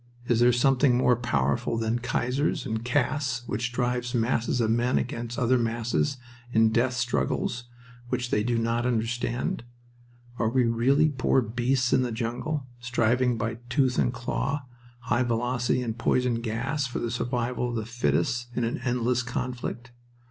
Is there something more powerful than kaisers and castes which drives masses of men against other masses in death struggles which they do not understand? Are we really poor beasts in the jungle, striving by tooth and claw, high velocity and poison gas, for the survival of the fittest in an endless conflict?